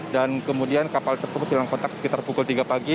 dan kemudian kapal tersebut hilang kontak sekitar pukul tiga pagi